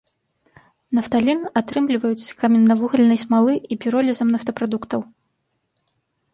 Нафталін атрымліваюць з каменнавугальнай смалы і піролізам нафтапрадуктаў.